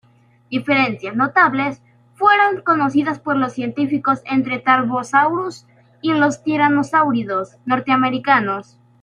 Diferencias notables fueron conocidas por los científicos entre "Tarbosaurus" y los tiranosáuridos norteamericanos.